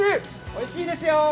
おいしいですよ。